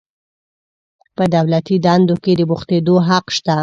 په دولتي دندو کې د بوختیدو حق شته.